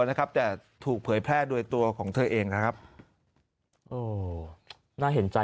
นะครับแต่ถูกเผยแพร่โดยตัวของเธอเองนะครับโอ้น่าเห็นใจ